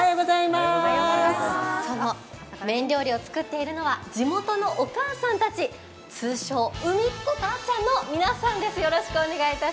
その麺料理を作っているのは地元のお母さんたち、通称・うみっこかあちゃんの皆さんです。